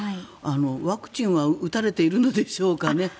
ワクチンは打たれているのでしょうか？